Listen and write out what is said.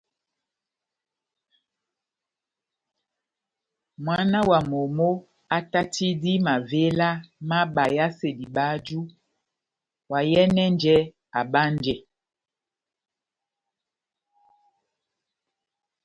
Mwána wa momó átátidi mavéla má bayasedi báju, oháyɛnɛjɛ abánjɛ,